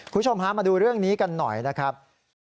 คุณผู้ชมฮะมาดูเรื่องนี้กันหน่อยนะครับ